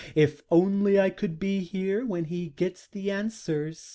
If only I could be there when he gets the answers.